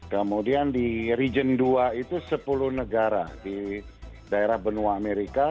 kemudian di region dua itu sepuluh negara di daerah benua amerika